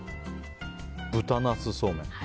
豚ナスそうめん。